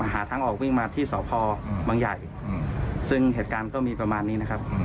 หาทางออกวิ่งมาที่สพบังใหญ่ซึ่งเหตุการณ์ก็มีประมาณนี้นะครับ